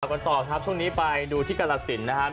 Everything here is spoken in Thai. กันต่อครับช่วงนี้ไปดูที่กรสินนะครับ